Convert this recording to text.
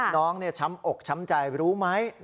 น้องเนี่ยช้ำอกช้ำใจรู้ไหม